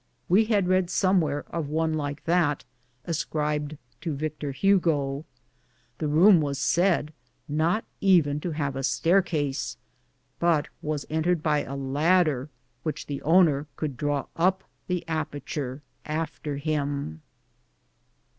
We had read somewhere of one like that ascribed to Victor Hugo. The room was said not even to have a staircase, but was entered by a ladder which the owner could draw up the aperture after him.